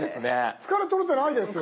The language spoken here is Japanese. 疲れとれてないですよ。